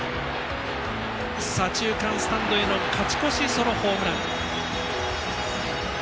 左中間スタンドへの勝ち越しソロホームラン。